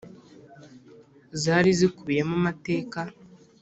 zari zikubiyemo amateka